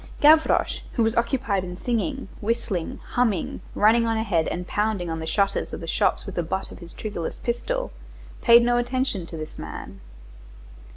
Gavroche, who was occupied in singing, whistling, humming, running on ahead and pounding on the shutters of the shops with the butt of his triggerless pistol; paid no attention to this man.